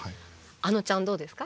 あのちゃんどうですか？